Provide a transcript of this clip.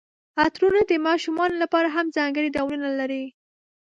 عطرونه د ماشومانو لپاره هم ځانګړي ډولونه لري.